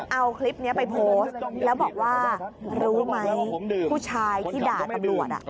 เอาคลิปนี้ไปโพสต์แล้วบอกว่ารู้ไหมผู้ชายที่ด่าตำรวจ